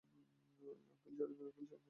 Uncle, ছেড়ে দেন, uncle, uncle, ছেড়ে দেন।